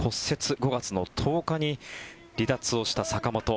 ５月の１０日に離脱をした坂本。